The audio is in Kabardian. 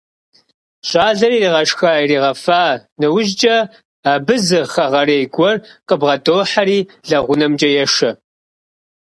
ЩӀалэр ирагъэшха-ирагъэфа нэужькӀэ, абы зы хэгъэрей гуэр къыбгъэдохьэри лэгъунэмкӀэ ешэ.